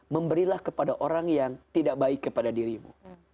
memberilah kepada orang yang tidak baik kepada dirimu